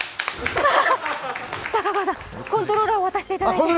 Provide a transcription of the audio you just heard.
香川さん、コントローラーを渡していただいて。